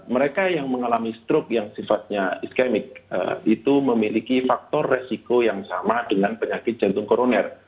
mereka yang mengalami stroke yang sifatnya iskemik itu memiliki faktor resiko yang sama dengan penyakit jantung koroner